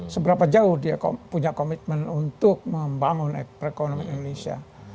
seberapa jauh dia punya komitmen untuk membangun perekonomian indonesia